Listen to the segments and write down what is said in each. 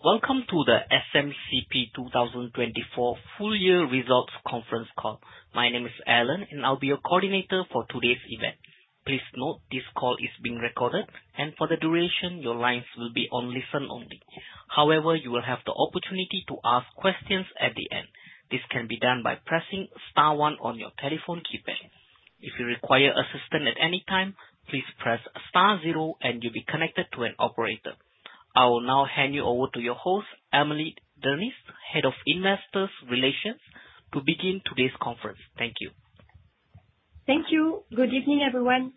Welcome to the SMCP 2024 Full Year Results Conference Call. My name is Alan, and I'll be your coordinator for today's event. Please note this call is being recorded, and for the duration, your lines will be on listen only. However, you will have the opportunity to ask questions at the end. This can be done by pressing star one on your telephone keypad. If you require assistance at any time, please press star zero, and you'll be connected to an operator. I will now hand you over to your host, Amélie Dernis, Head of Investor Relations, to begin today's conference. Thank you. Thank you. Good evening, everyone.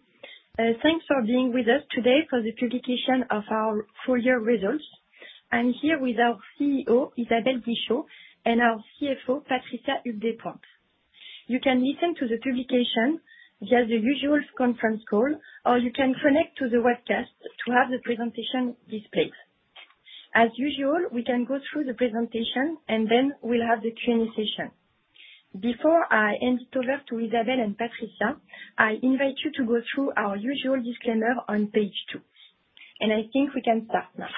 Thanks for being with us today for the publication of our full year results. I'm here with our CEO, Isabelle Guichot, and our CFO, Patricia Despointes. You can listen to the publication via the usual conference call, or you can connect to the webcast to have the presentation displayed. As usual, we can go through the presentation, and then we'll have the Q&A session. Before I hand it over to Isabelle and Patricia, I invite you to go through our usual disclaimer on page two, and I think we can start now.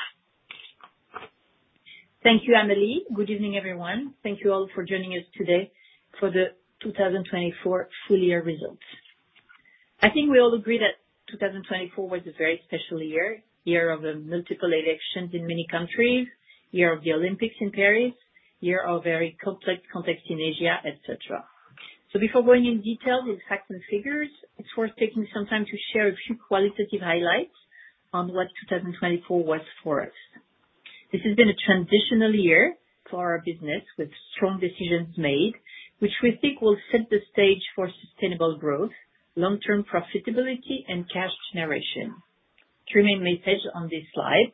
Thank you, Amélie. Good evening, everyone. Thank you all for joining us today for the 2024 full year results. I think we all agree that 2024 was a very special year, year of multiple elections in many countries, year of the Olympics in Paris, year of very complex context in Asia, etc. So before going in detail with facts and figures, it's worth taking some time to share a few qualitative highlights on what 2024 was for us. This has been a transitional year for our business with strong decisions made, which we think will set the stage for sustainable growth, long-term profitability, and cash generation. Three main messages on this slide.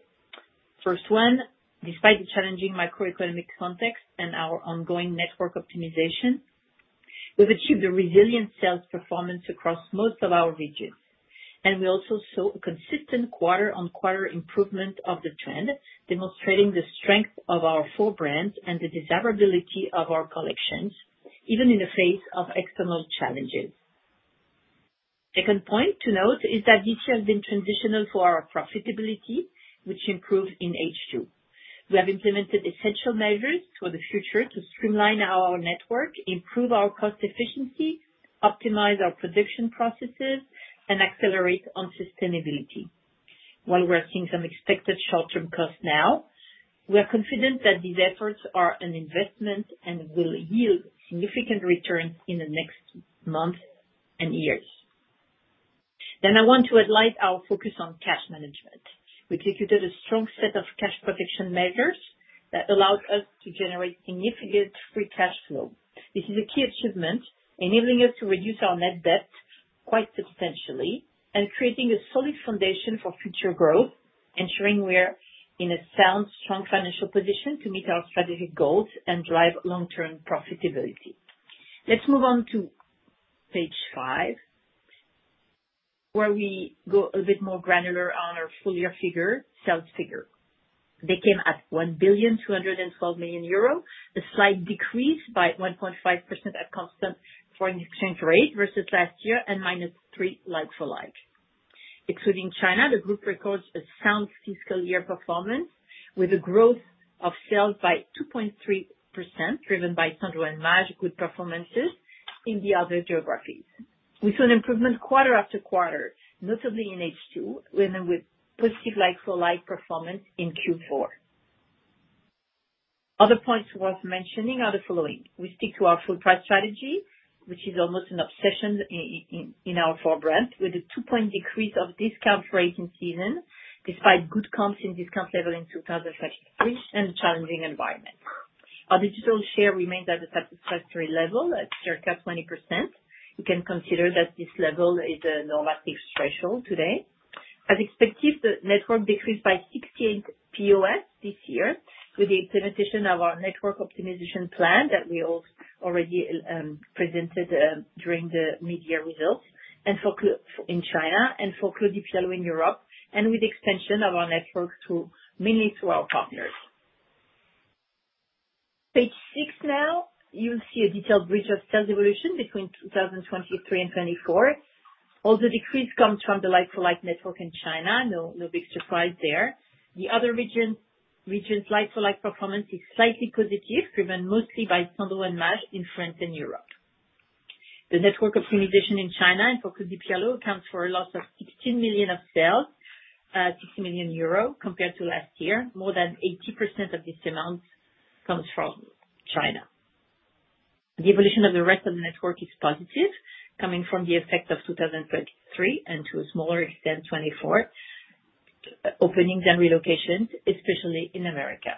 First one, despite the challenging macroeconomic context and our ongoing network optimization, we've achieved a resilient sales performance across most of our regions. We also saw a consistent quarter-on-quarter improvement of the trend, demonstrating the strength of our four brands and the desirability of our collections, even in the face of external challenges. Second point to note is that this year has been transitional for our profitability, which improved in H2. We have implemented essential measures for the future to streamline our network, improve our cost efficiency, optimize our production processes, and accelerate on sustainability. While we're seeing some expected short-term costs now, we're confident that these efforts are an investment and will yield significant returns in the next months and years. I want to highlight our focus on cash management. We executed a strong set of cash protection measures that allowed us to generate significant free cash flow. This is a key achievement, enabling us to reduce our net debt quite substantially and creating a solid foundation for future growth, ensuring we're in a sound, strong financial position to meet our strategic goals and drive long-term profitability. Let's move on to page five, where we go a bit more granular on our full year figure, sales figure. They came at 1,212 million euros, a slight decrease by 1.5% at constant foreign exchange rate versus last year and -3% like-for-like. Excluding China, the group records a sound fiscal year performance with a growth of sales by 2.3%, driven by Sandro Maje good performances in the other geographies. We saw an improvement quarter after quarter, notably in H2, and then with positive like-for-like performance in Q4. Other points worth mentioning are the following. We stick to our full price strategy, which is almost an obsession in our four brands, with a two-point decrease of discount rate in season despite good comps in discount level in 2023 and a challenging environment. Our digital share remains at a satisfactory level at circa 20%. You can consider that this level is a normative threshold today. As expected, the network decreased by 68 POS this year with the implementation of our network optimization plan that we also already presented during the mid-year results in China and for Claudie Pierlot in Europe, and with the expansion of our network mainly through our partners. Page six now, you'll see a detailed bridge of sales evolution between 2023 and 2024. Although the decrease comes from the like-for-like network in China, no big surprise there. The other region's like-for-like performance is slightly positive, driven mostly by Sandro and Maje in France and Europe. The network optimization in China and for Claudie Pierlot accounts for a loss of 16 million of sales, 60 million euro compared to last year. More than 80% of this amount comes from China. The evolution of the rest of the network is positive, coming from the effect of 2023 and, to a smaller extent, 2024, openings and relocations, especially in America.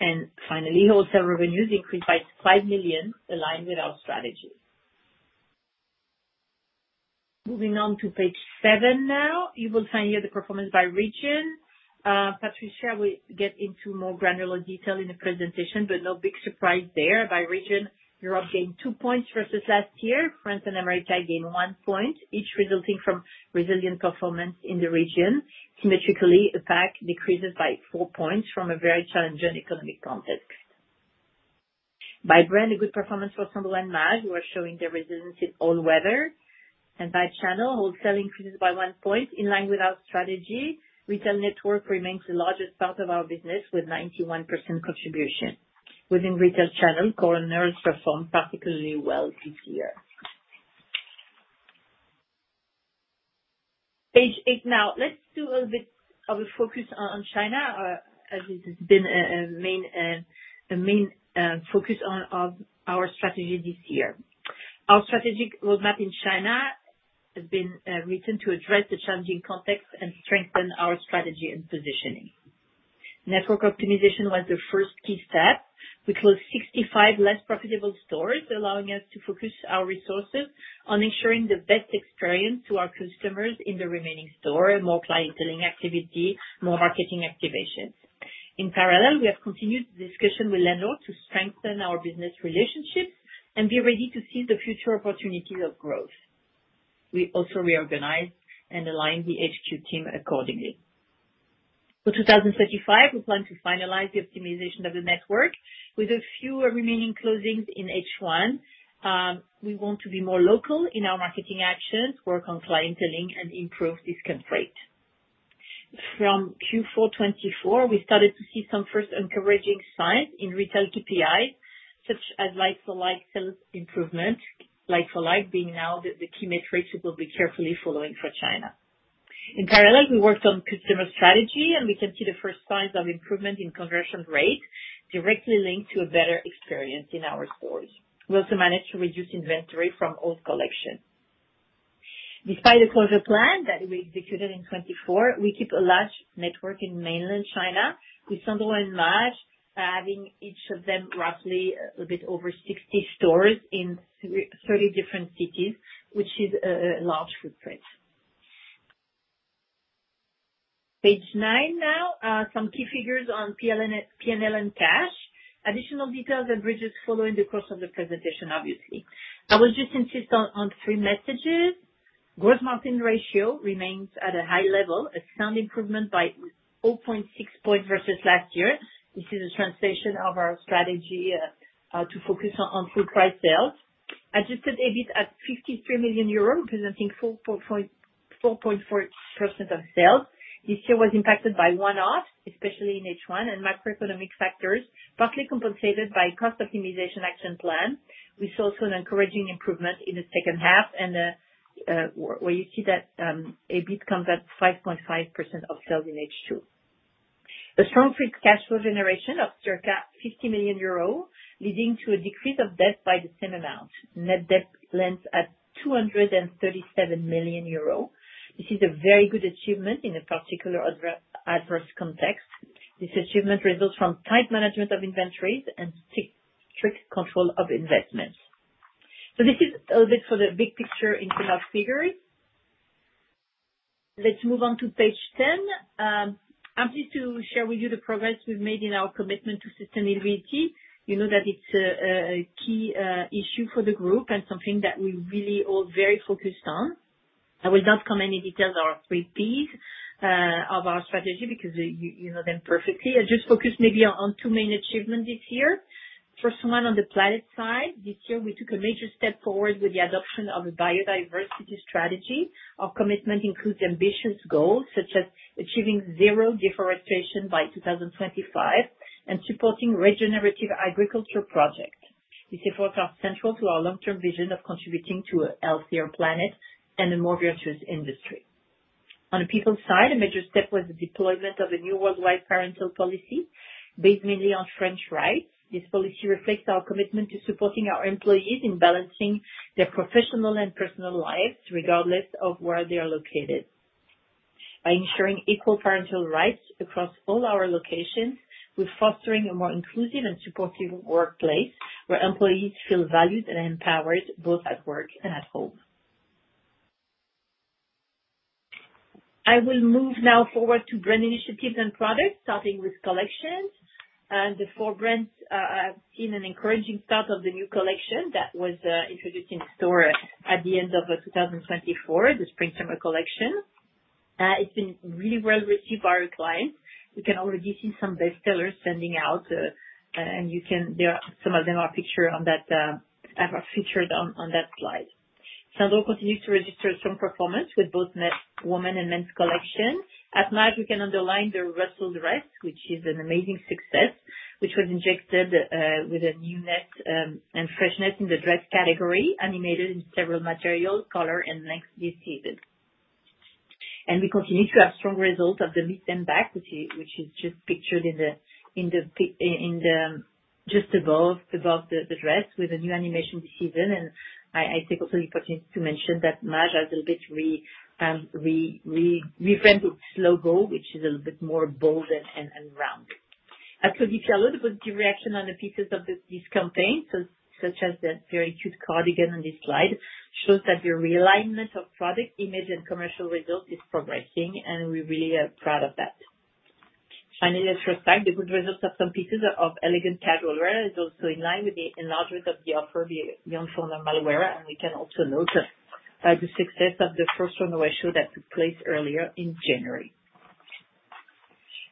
And finally, wholesale revenues increased by 5 million, aligned with our strategy. Moving on to page seven now, you will find here the performance by region. Patricia will get into more granular detail in the presentation, but no big surprise there. By region, Europe gained two points versus last year. France and America gained one point, each resulting from resilient performance in the region. Symmetrically, APAC decreases by four points from a very challenging economic context. By brand, a good performance for Sandro and Maje, who are showing their resilience in all weather. By channel, wholesale increases by one point, in line with our strategy. Retail network remains the largest part of our business with 91% contribution. Within retail channel, Corners performed particularly well this year. Page eight now, let's do a little bit of a focus on China, as this has been a main focus of our strategy this year. Our strategic roadmap in China has been written to address the challenging context and strengthen our strategy and positioning. Network optimization was the first key step. We closed 65 less profitable stores, allowing us to focus our resources on ensuring the best experience to our customers in the remaining store, more clienteling activity, more marketing activations. In parallel, we have continued discussion with [landlords] to strengthen our business relationships and be ready to see the future opportunities of growth. We also reorganized and aligned the HQ team accordingly. For 2025, we plan to finalize the optimization of the network with a few remaining closings in H1. We want to be more local in our marketing actions, work on clienteling, and improve discount rate. From Q4 2024, we started to see some first encouraging signs in retail KPIs, such as like-for-like sales improvement, like-for-like being now the key metrics we will be carefully following for China. In parallel, we worked on customer strategy, and we can see the first signs of improvement in conversion rate, directly linked to a better experience in our stores. We also managed to reduce inventory from old collections. Despite the closure plan that we executed in 2024, we keep a large network in mainland China, with Sandro and Maje having each of them roughly a bit over 60 stores in 30 different cities, which is a large footprint. Page nine now, some key figures on P&L and cash. Additional details and bridges following the course of the presentation, obviously. I will just insist on three messages. Gross margin ratio remains at a high level, a sound improvement by 0.6 points versus last year. This is a translation of our strategy to focus on full price sales. Adjusted EBIT at 53 million euros, representing 4.4% of sales. This year was impacted by one-offs, especially in H1, and macroeconomic factors partly compensated by cost optimization action plan. We saw also an encouraging improvement in the second half, where you see that EBIT comes at 5.5% of sales in H2. A strong free cash flow generation of circa 50 million euro, leading to a decrease of debt by the same amount. Net debt stands at 237 million euro. This is a very good achievement in a particular adverse context. This achievement results from tight management of inventories and strict control of investments. So this is a little bit for the big picture internal figures. Let's move on to page ten. I'm pleased to share with you the progress we've made in our commitment to sustainability. You know that it's a key issue for the group and something that we really all very focused on. I will not come into detail on our three P's of our strategy because you know them perfectly. I just focused maybe on two main achievements this year. First one on the planet side, this year we took a major step forward with the adoption of a Biodiversity Strategy. Our commitment includes ambitious goals such as achieving zero deforestation by 2025 and supporting Regenerative Agriculture projects. This effort is central to our long-term vision of contributing to a healthier planet and a more virtuous industry. On the people side, a major step was the deployment of a new worldwide parental policy based mainly on French rights. This policy reflects our commitment to supporting our employees in balancing their professional and personal lives, regardless of where they are located. By ensuring equal parental rights across all our locations, we're fostering a more inclusive and supportive workplace where employees feel valued and empowered both at work and at home. I will move now forward to brand initiatives and products, starting with collections. The four brands have seen an encouraging start of the new collection that was introduced in store at the end of 2024, the spring summer collection. It's been really well received by our clients. We can already see some bestsellers selling out, and some of them are featured on that slide. Sandro continues to register strong performance with both women and men's collections. At Maje, we can underline the Russel dress, which is an amazing success, which was injected with a new knit and fresh knit in the dress category, animated in several materials, colors, and lengths this season. We continue to have strong results of the Miss M bag, which is just pictured above the dress with a new animation this season. I take also the opportunity to mention that Maje has a little bit reframed its logo, which is a little bit more bold and round. At Claudie Pierlot, the positive reaction on the pieces of this campaign, such as the very cute cardigan on this slide, shows that the realignment of product image and commercial results is progressing, and we're really proud of that. Finally, Fursac, the good results of some pieces of elegant casual wear is also in line with the enlargement of the offer beyond formal wear. We can also note the success of the first runway show that took place earlier in January.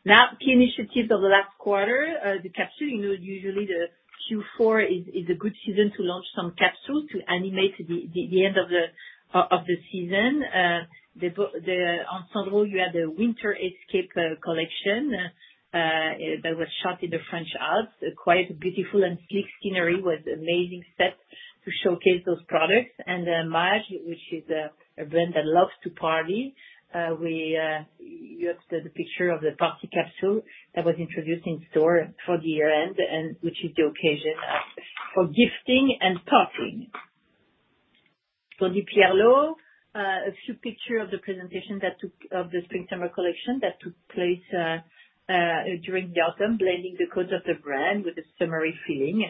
Now, key initiatives of the last quarter, the capsule. You know, usually the Q4 is a good season to launch some capsules to animate the end of the season. On Sandro, you had the Winter Escape collection that was shot in the French Alps. Quite beautiful and sleek scenery was an amazing set to showcase those products. Maje, which is a brand that loves to party, you have the picture of the Party Capsule that was introduced in store for the year-end, which is the occasion for gifting and partying. Claudie Pierlot, a few pictures of the presentation of the Spring/Summer Collection that took place during the autumn, blending the codes of the brand with the summery feeling.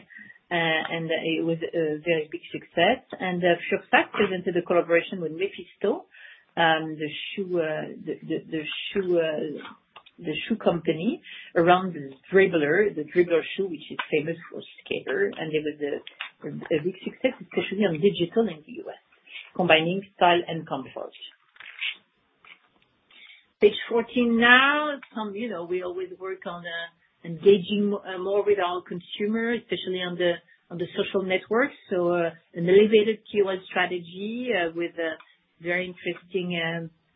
It was a very big success. Fursac presented a collaboration with Mephisto, the shoe company around the Dribbler, the Dribbler shoe, which is famous for skaters. It was a big success, especially on digital in the U.S., combining style and comfort. Page 14 now, we always work on engaging more with our consumers, especially on the social networks. So an elevated KOL strategy with a very interesting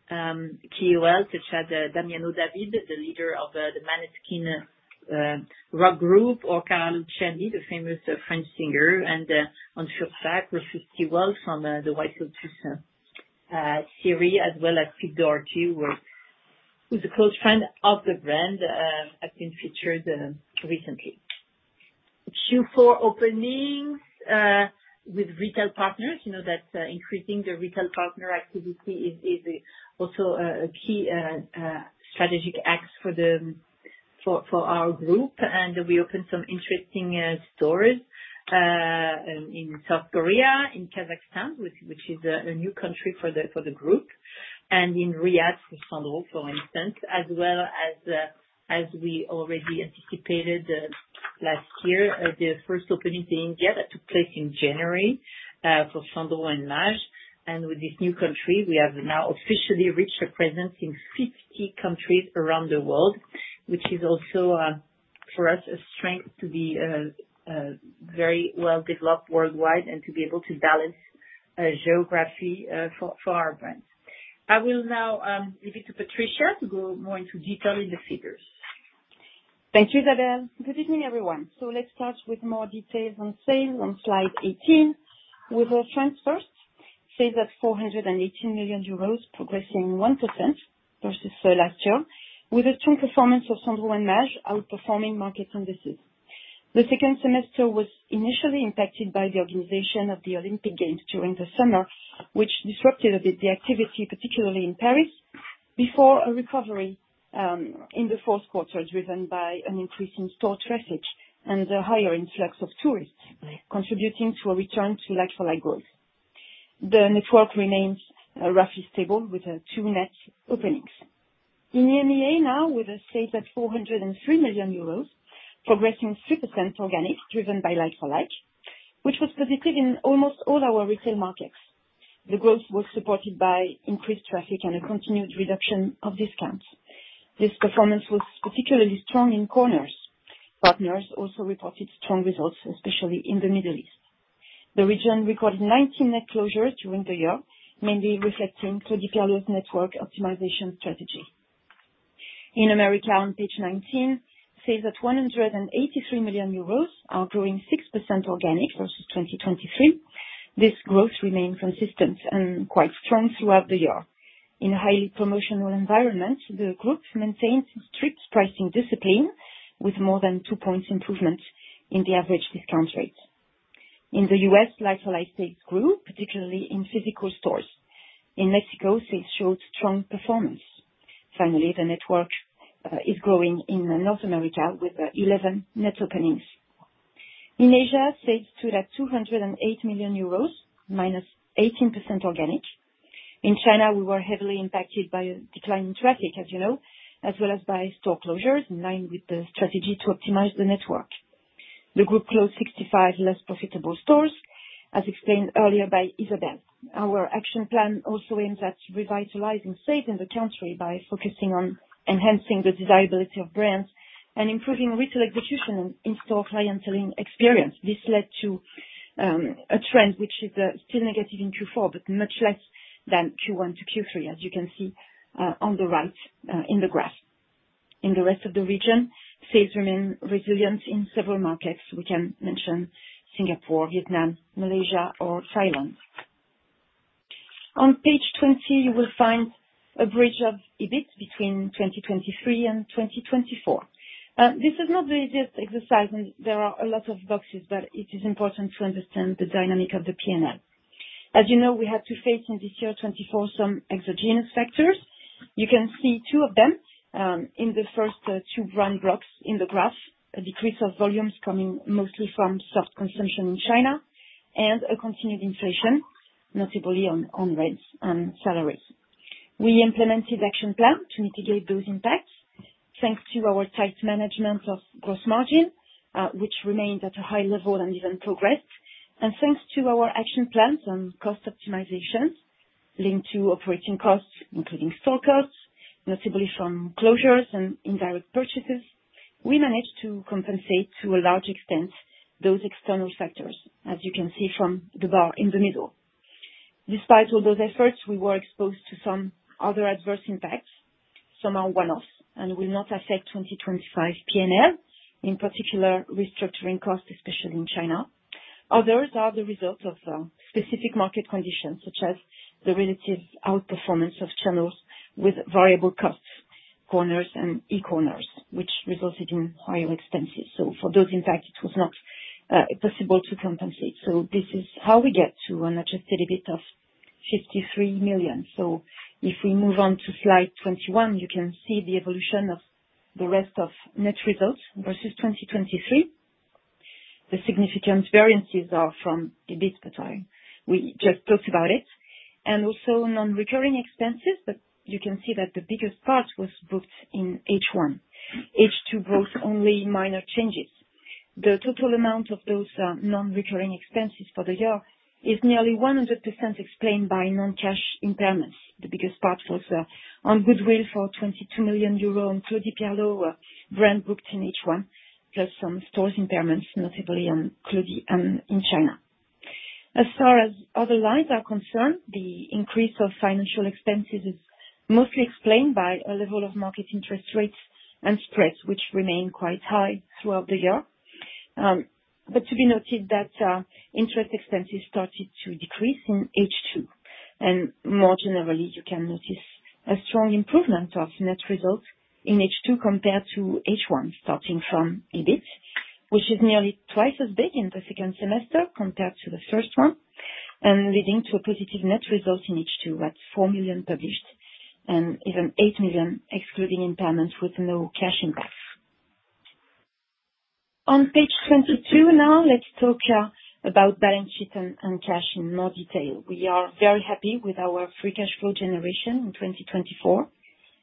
KOL, such as Damiano David, the leader of the Måneskin rock group, or Clara Luciani, the famous French singer. And on Fursac, Rufus Sewell from the White Lotus series, as well as Pete Doherty, who's a close friend of the brand, has been featured recently. Q4 openings with retail partners. You know that increasing the retail partner activity is also a key strategic axis for our group. And we opened some interesting stores in South Korea, in Kazakhstan, which is a new country for the group, and in Riyadh for Sandro, for instance, as well as we already anticipated last year, the first openings in India that took place in January for Sandro and Maje. And with this new country, we have now officially reached a presence in 50 countries around the world, which is also for us a strength to be very well developed worldwide and to be able to balance geography for our brands. I will now leave it to Patricia to go more into detail in the figures. Thank you, Isabelle. Good evening, everyone. So let's start with more details on sales on slide 18. With France first, sales at 418 million euros, progressing 1% versus last year, with a strong performance of Sandro and Maje, outperforming market indices. The second semester was initially impacted by the organization of the Olympic Games during the summer, which disrupted a bit the activity, particularly in Paris, before a recovery in the fourth quarter driven by an increase in store traffic and a higher influx of tourists, contributing to a return to like-for-like growth. The network remains roughly stable with two net openings. In EMEA now, with sales at 403 million euros, progressing 3% organic, driven by like-for-like, which was positive in almost all our retail markets. The growth was supported by increased traffic and a continued reduction of discounts. This performance was particularly strong in corners. Partners also reported strong results, especially in the Middle East. The region recorded 19 net closures during the year, mainly reflecting Claudie Pierlot's network optimization strategy. In America, on page 19, sales at 183 million euros are growing 6% organic versus 2023. This growth remained consistent and quite strong throughout the year. In a highly promotional environment, the group maintained strict pricing discipline with more than two points improvement in the average discount rate. In the U.S., like-for-like sales grew, particularly in physical stores. In Mexico, sales showed strong performance. Finally, the network is growing in North America with 11 net openings. In Asia, sales stood at 208 million euros, minus 18% organic. In China, we were heavily impacted by a decline in traffic, as you know, as well as by store closures, in line with the strategy to optimize the network. The group closed 65 less profitable stores, as explained earlier by Isabelle. Our action plan also aims at revitalizing sales in the country by focusing on enhancing the desirability of brands and improving retail execution and in-store clienteling experience. This led to a trend which is still negative in Q4, but much less than Q1 to Q3, as you can see on the right in the graph. In the rest of the region, sales remain resilient in several markets. We can mention Singapore, Vietnam, Malaysia, or Thailand. On page 20, you will find a bridge of EBIT between 2023 and 2024. This is not the easiest exercise, and there are a lot of boxes, but it is important to understand the dynamic of the P&L. As you know, we had to face in this year 2024 some exogenous factors. You can see two of them in the first two brown blocks in the graph: a decrease of volumes coming mostly from soft consumption in China and a continued inflation, notably on rents and salaries. We implemented an action plan to mitigate those impacts, thanks to our tight management of gross margin, which remained at a high level and even progressed. Thanks to our action plans and cost optimizations linked to operating costs, including store costs, notably from closures and indirect purchases, we managed to compensate to a large extent those external factors, as you can see from the bar in the middle. Despite all those efforts, we were exposed to some other adverse impacts. Some are one-offs and will not affect 2025 P&L, in particular restructuring costs, especially in China. Others are the result of specific market conditions, such as the relative outperformance of channels with variable costs, corners and e-corners, which resulted in higher expenses. For those impacts, it was not possible to compensate. This is how we get to an Adjusted EBIT of 53 million. If we move on to slide 21, you can see the evolution of the rest of net results versus 2023. The significant variances are from EBIT, but we just talked about it. And also non-recurring expenses, but you can see that the biggest part was booked in H1. H2 brought only minor changes. The total amount of those non-recurring expenses for the year is nearly 100% explained by non-cash impairments. The biggest part was on goodwill for 22 million euro on Claudie Pierlot brand booked in H1, plus some stores impairments, notably in China. As far as other lines are concerned, the increase of financial expenses is mostly explained by a level of market interest rates and spreads, which remain quite high throughout the year. But to be noted that interest expenses started to decrease in H2. More generally, you can notice a strong improvement of net results in H2 compared to H1, starting from EBIT, which is nearly twice as big in the second semester compared to the first one, and leading to a positive net result in H2 at 4 million published, and even 8 million excluding impairments with no cash impacts. On page 22 now, let's talk about balance sheet and cash in more detail. We are very happy with our free cash flow generation in 2024,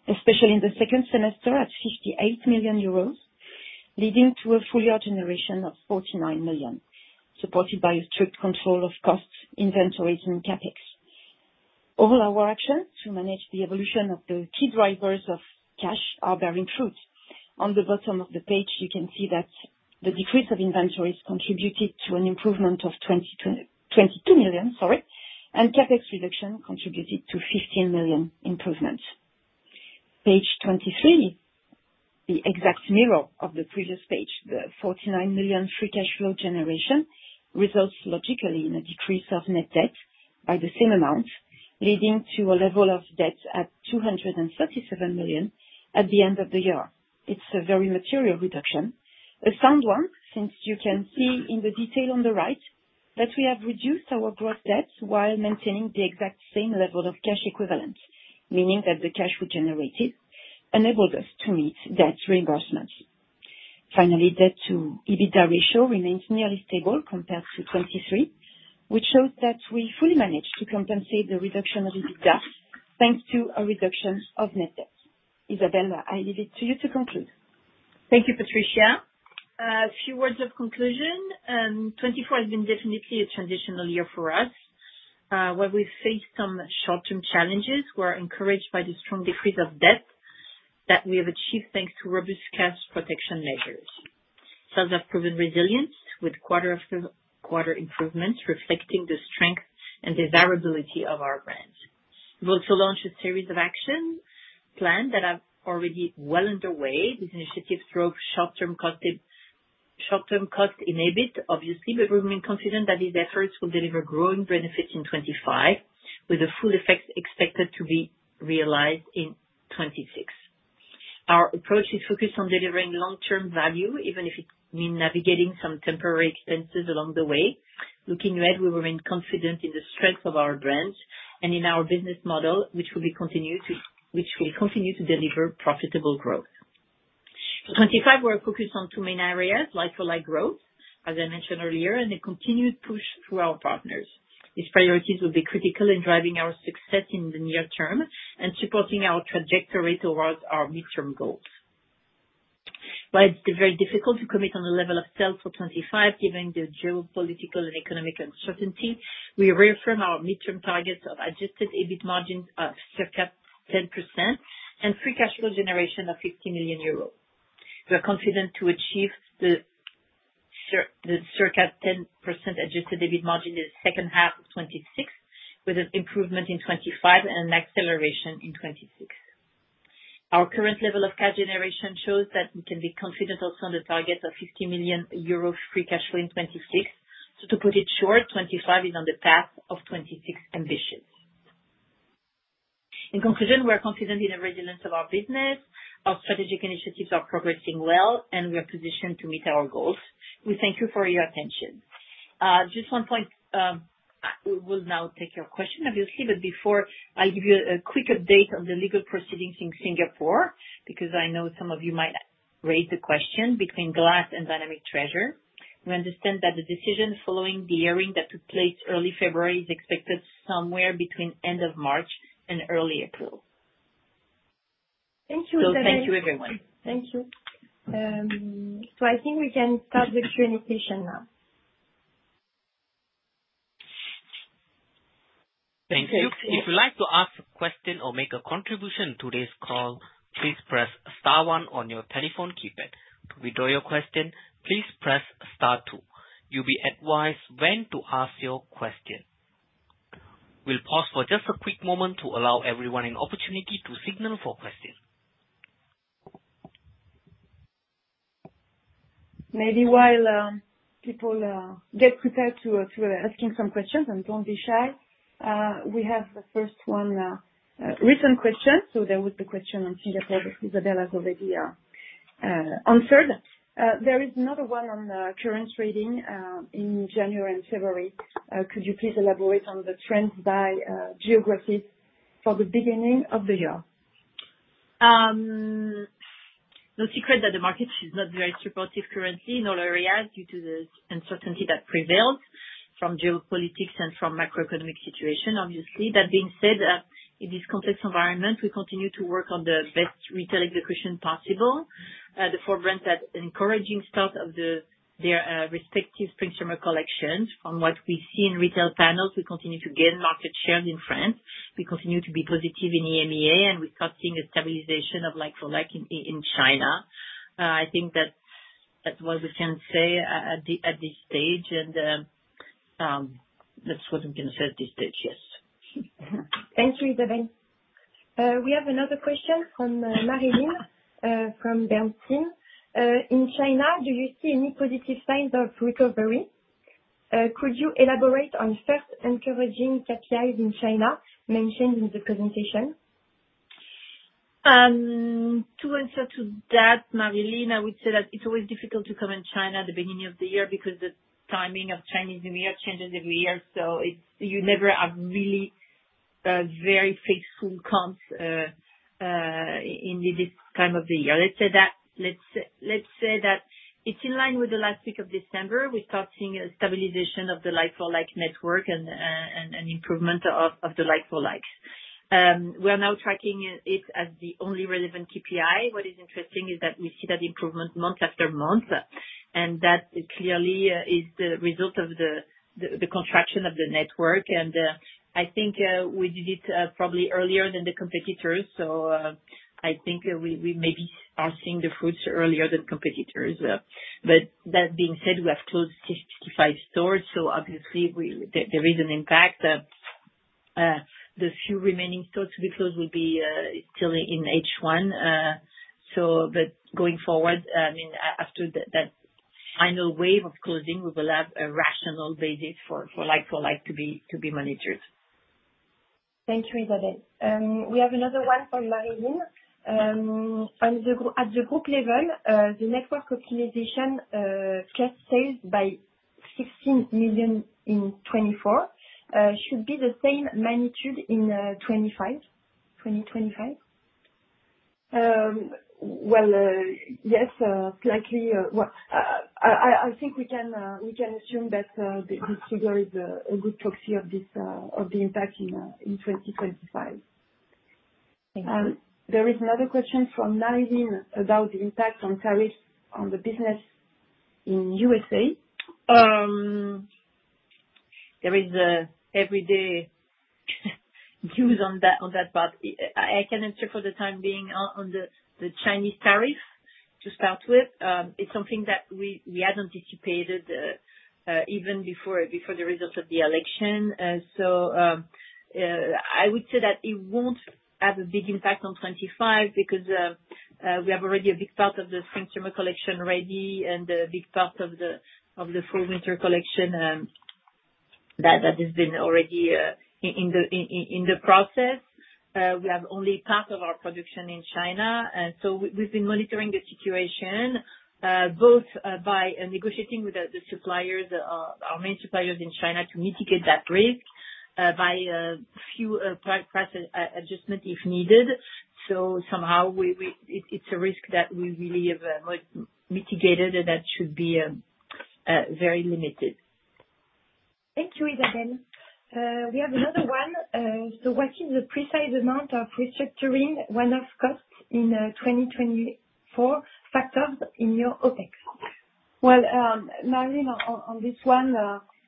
especially in the second semester at 58 million euros, leading to a full year generation of 49 million, supported by a strict control of costs, inventories, and CapEx. All our actions to manage the evolution of the key drivers of cash are bearing fruit. On the bottom of the page, you can see that the decrease of inventories contributed to an improvement of 22 million, sorry, and CapEx reduction contributed to 15 million improvement. Page 23, the exact mirror of the previous page, the 49 million free cash flow generation results logically in a decrease of net debt by the same amount, leading to a level of debt at 237 million at the end of the year. It's a very material reduction, a sound one, since you can see in the detail on the right that we have reduced our gross debt while maintaining the exact same level of cash equivalent, meaning that the cash we generated enabled us to meet debt reimbursements. Finally, debt to EBITDA ratio remains nearly stable compared to 2023, which shows that we fully managed to compensate the reduction of EBITDA thanks to a reduction of net debt. Isabelle, I leave it to you to conclude. Thank you, Patricia. A few words of conclusion. 2024 has been definitely a transitional year for us. While we've faced some short-term challenges, we're encouraged by the strong decrease of debt that we have achieved thanks to robust cash protection measures. Sales have proven resilient, with quarter-over-quarter improvements reflecting the strength and desirability of our brands. We've also launched a series of action plans that are already well underway. These initiatives drove short-term cost in EBIT, obviously, but we remain confident that these efforts will deliver growing benefits in 2025, with the full effects expected to be realized in 2026. Our approach is focused on delivering long-term value, even if it means navigating some temporary expenses along the way. Looking ahead, we remain confident in the strength of our brands and in our business model, which will continue to deliver profitable growth. For 2025, we're focused on two main areas, like-for-like growth, as I mentioned earlier, and a continued push through our partners. These priorities will be critical in driving our success in the near term and supporting our trajectory towards our midterm goals. While it's very difficult to commit on the level of sales for 2025, given the geopolitical and economic uncertainty, we reaffirm our midterm targets of Adjusted EBIT margins of circa 10% and free cash flow generation of 50 million euros. We're confident to achieve the circa 10% Adjusted EBIT margin in the second half of 2026, with an improvement in 2025 and an acceleration in 2026. Our current level of cash generation shows that we can be confident also on the target of 50 million euros free cash flow in 2026. So to put it short, 2025 is on the path of 2026 ambitious. In conclusion, we're confident in the resilience of our business. Our strategic initiatives are progressing well, and we are positioned to meet our goals. We thank you for your attention. Just one point. We'll now take your question, obviously, but before, I'll give you a quick update on the legal proceedings in Singapore, because I know some of you might raise the question between GLAS and Dynamic Treasure Group. We understand that the decision following the hearing that took place early February is expected somewhere between the end of March and early April. Thank you, Isabelle. So thank you, everyone. Thank you. So I think we can start the Q&A session now. Thank you. If you'd like to ask a question or make a contribution to today's call, please press star one on your telephone keypad. To withdraw your question, please press star two. You'll be advised when to ask your question. We'll pause for just a quick moment to allow everyone an opportunity to signal for questions. Maybe while people get prepared to ask some questions and don't be shy, we have the first one now. Recent questions. So there was the question on Singapore, which Isabelle has already answered. There is another one on current trading in January and February. Could you please elaborate on the trends by geographies for the beginning of the year? It's no secret that the market is not very supportive currently, nor are we, due to the uncertainty that prevails from geopolitics and from the macroeconomic situation, obviously. That being said, in this complex environment, we continue to work on the best retail execution possible. The four brands had an encouraging start of their respective spring-summer collections. From what we see in retail panels, we continue to gain market shares in France. We continue to be positive in EMEA, and we're starting a stabilization of like-for-like in China. I think that's what we can say at this stage, and that's what we can say at this stage, yes. Thank you, Isabelle. We have another question from Marie Line from Bernstein. In China, do you see any positive signs of recovery? Could you elaborate on first encouraging KPIs in China mentioned in the presentation? To answer to that, Marie Line, I would say that it's always difficult to comment on China at the beginning of the year because the timing of Chinese New Year changes every year, so you never have really very faithful comps in this time of the year. Let's say that it's in line with the last week of December. We're starting a stabilization of the like-for-like network and improvement of the like-for-like. We're now tracking it as the only relevant KPI. What is interesting is that we see that improvement month after month, and that clearly is the result of the contraction of the network. And I think we did it probably earlier than the competitors, so I think we maybe are seeing the fruits earlier than competitors. But that being said, we have closed 65 stores, so obviously, there is an impact. The few remaining stores to be closed will be still in H1, but going forward, I mean, after that final wave of closing, we will have a rational basis for like-for-like to be monitored. Thank you, Isabelle. We have another one from Marie Line. At the group level, the network optimization cash sales by 16 million in 2024 should be the same magnitude in 2025? Yes, slightly. I think we can assume that this figure is a good proxy of the impact in 2025. There is another question from Marie Line about the impact of tariffs on the business in the USA. There is everyday news on that part. I can answer for the time being on the Chinese tariffs to start with. It's something that we had anticipated even before the results of the election. So I would say that it won't have a big impact on 25 because we have already a big part of the spring-summer collection ready and a big part of the fall-winter collection that has been already in the process. We have only part of our production in China, and so we've been monitoring the situation both by negotiating with our main suppliers in China to mitigate that risk by a few price adjustments if needed. So somehow, it's a risk that we really have mitigated, and that should be very limited. Thank you, Isabelle. We have another one. So what is the precise amount of restructuring one-off costs in 2024 factors in your OpEx? Well, Marie Line, on this one,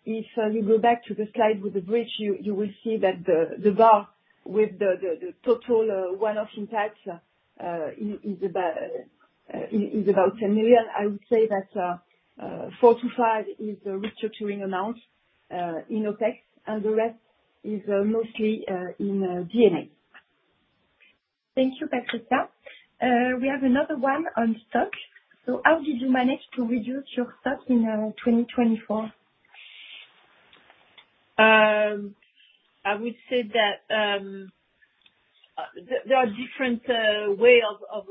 if you go back to the slide with the bridge, you will see that the bar with the total one-off impact is about 10 million. I would say that 4 million-5 million is the restructuring amount in OpEx, and the rest is mostly in D&A. Thank you, Patricia. We have another one on stock. So how did you manage to reduce your stock in 2024? I would say that there are different ways of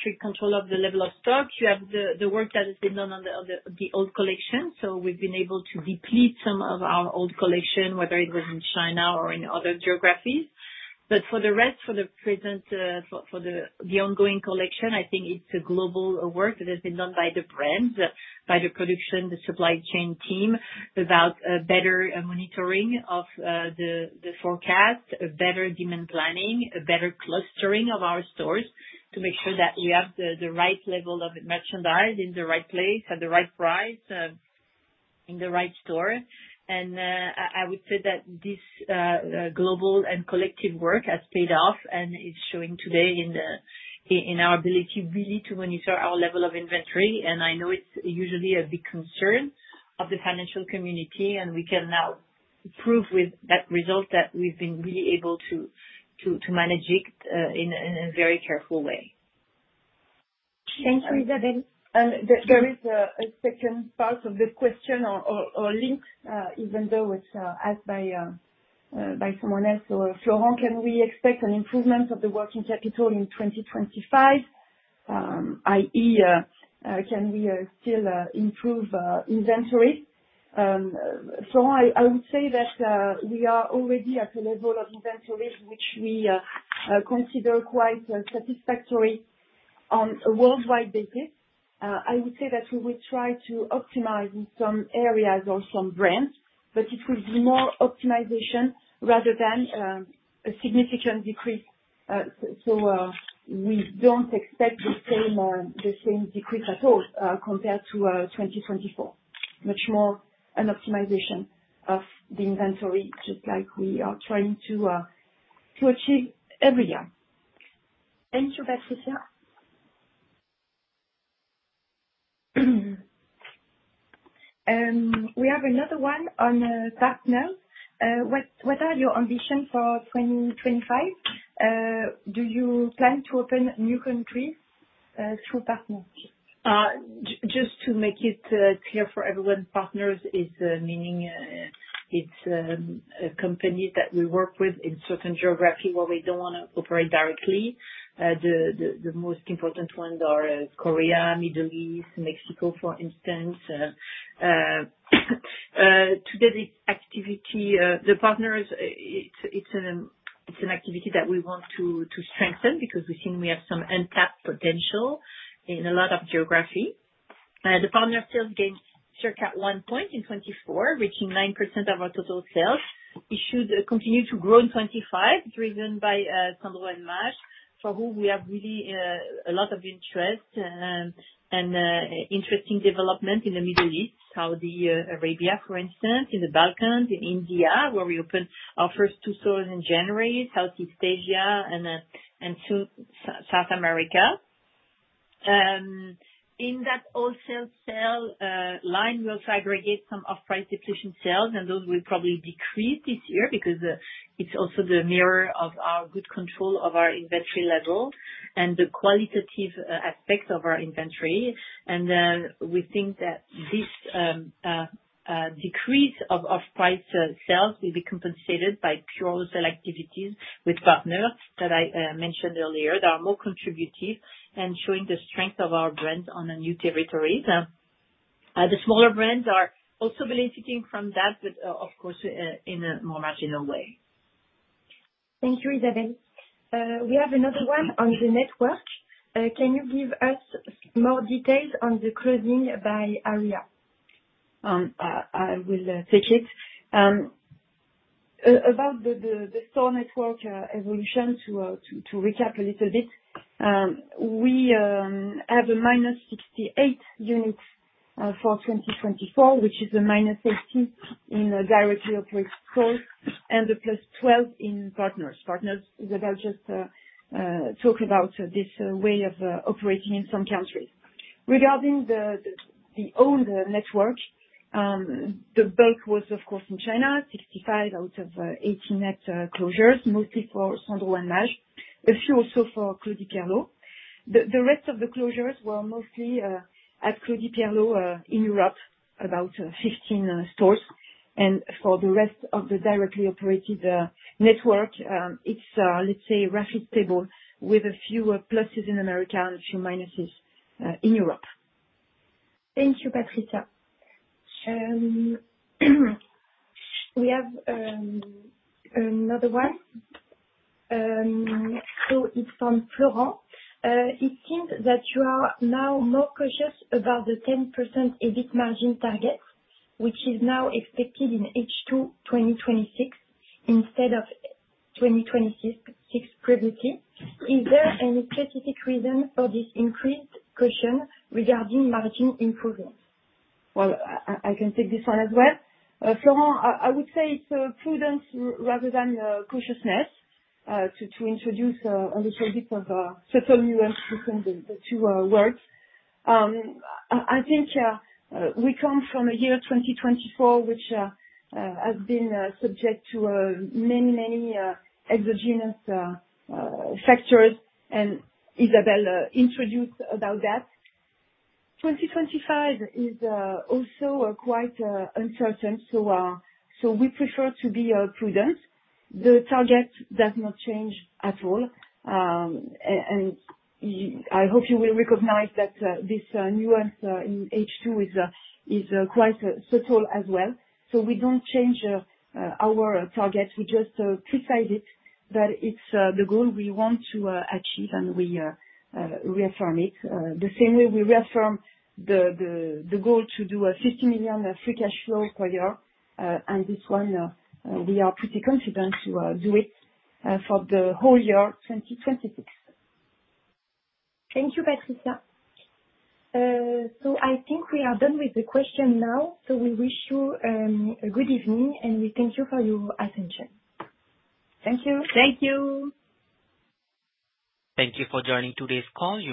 strict control of the level of stock. You have the work that has been done on the old collection, so we've been able to deplete some of our old collection, whether it was in China or in other geographies. But for the rest, for the present, for the ongoing collection, I think it's a global work that has been done by the brands, by the production, the supply chain team about better monitoring of the forecast, better demand planning, better clustering of our stores to make sure that we have the right level of merchandise in the right place at the right price in the right store. And I would say that this global and collective work has paid off and is showing today in our ability really to monitor our level of inventory. I know it's usually a big concern of the financial community, and we can now prove with that result that we've been really able to manage it in a very careful way. Thank you, Isabelle. There is a second part of the question or link, even though it's asked by someone else. So how can we expect an improvement of the working capital in 2025? i.e., can we still improve inventory? Florent, I would say that we are already at a level of inventory which we consider quite satisfactory on a worldwide basis. I would say that we will try to optimize in some areas or some brands, but it will be more optimization rather than a significant decrease. So we don't expect the same decrease at all compared to 2024, much more an optimization of the inventory, just like we are trying to achieve every year. Thank you, Patricia. We have another one on partners. What are your ambitions for 2025? Do you plan to open new countries through partnerships? Just to make it clear for everyone, partners is meaning it's a company that we work with in certain geographies where we don't want to operate directly. The most important ones are Korea, the Middle East, Mexico, for instance. To get this activity, the partners, it's an activity that we want to strengthen because we think we have some untapped potential in a lot of geographies. The partner sales gained circa one point in 2024, reaching 9% of our total sales. Sales continue to grow in 25, driven by Sandro and Maje, for whom we have really a lot of interest and interesting developments in the Middle East, Saudi Arabia, for instance, in the Balkans, in India, where we opened our first two stores in January, Southeast Asia, and soon South America. In that wholesale sales line, we also aggregate some off-price depletion sales, and those will probably decrease this year because it's also the mirror of our good control of our inventory level and the qualitative aspects of our inventory. We think that this decrease of off-price sales will be compensated by pure wholesale activities with partners that I mentioned earlier that are more contributive and showing the strength of our brands on new territories. The smaller brands are also benefiting from that, but of course, in a more marginal way. Thank you, Isabelle. We have another one on the network. Can you give us more details on the closings by area? I will take it. About the store network evolution, to recap a little bit, we have a -68 units for 2024, which is a -18 in directly operated stores and a +12 in partners. Partners, Isabelle just talked about this way of operating in some countries. Regarding the overall network, the bulk was, of course, in China, 65 out of 68 net closures, mostly for Sandro and Maje, a few also for Claudie Pierlot. The rest of the closures were mostly at Claudie Pierlot in Europe, about 15 stores. And for the rest of the directly operated network, it's, let's say, roughly stable with a few pluses in America and a few minuses in Europe. Thank you, Patricia. We have another one. So it's from [Florent]. It seems that you are now more cautious about the 10% EBIT margin target, which is now expected in H2 2026 instead of 2026 previously. Is there any specific reason for this increased caution regarding margin improvement? Well, I can take this one as well. [Florent], I would say it's prudence rather than cautiousness to introduce a little bit of subtle nuance between the two words. I think we come from a year 2024, which has been subject to many, many exogenous factors, and Isabelle introduced about that. 2025 is also quite uncertain, so we prefer to be prudent. The target does not change at all, and I hope you will recognize that this nuance in H2 is quite subtle as well. So we don't change our target. We just precise it, but it's the goal we want to achieve, and we reaffirm it the same way we reaffirm the goal to do a 50 million free cash flow per year. And this one, we are pretty confident to do it for the whole year 2026. Thank you, Patricia. So I think we are done with the questions now, so we wish you a good evening, and we thank you for your attention. Thank you. Thank you. Thank you for joining today's call. You.